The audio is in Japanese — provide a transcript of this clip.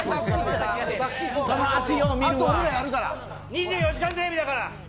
２４時間テレビだから。